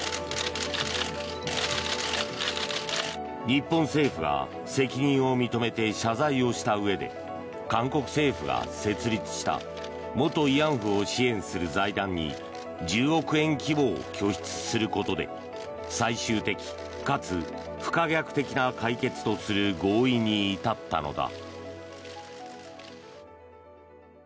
日本政府が責任を認めて謝罪をしたうえで韓国政府が設立した元慰安婦を支援する財団に１０億円規模を拠出することで最終的かつ不可逆的な解決とする合意に至ったのだ。